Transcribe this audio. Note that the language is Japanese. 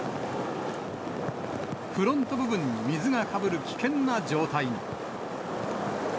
フロント部分に水がかぶる危険な状態に。